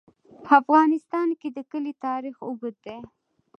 په افغانستان کې د کلي تاریخ اوږد دی.